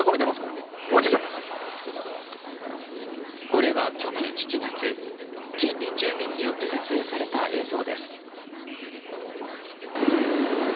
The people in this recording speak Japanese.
これは去年７月近隣住民によって撮影された映像です。